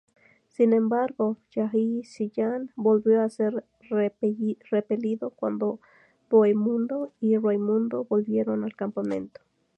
Sin embargo, Yaghi-Siyan volvió a ser repelido cuando Bohemundo y Raimundo volvieron al campamento.